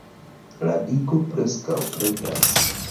La digo preskaŭ pretas.